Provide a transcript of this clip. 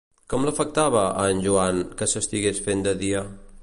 Com l'afectava, a en Joan, que s'estigués fent de dia?